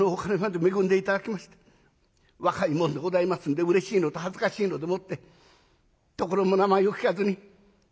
若い者でございますんでうれしいのと恥ずかしいのでもって所も名前も聞かずに逃げて帰りました。